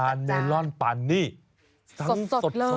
ทานเมลอนปันนี่สดเลย